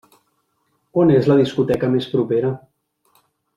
On és la discoteca més propera?